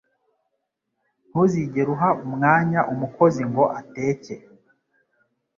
ntuzigere uha umwanya umukozi ngo ateke